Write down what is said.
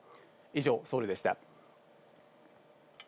以上、ソウルでした。